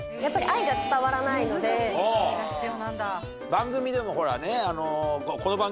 番組でもほらね。